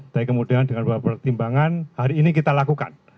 tapi kemudian dengan beberapa pertimbangan hari ini kita lakukan